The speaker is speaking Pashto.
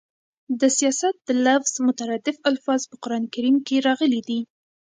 د سیاست د لفظ مترادف الفاظ په قران کريم کښي راغلي دي.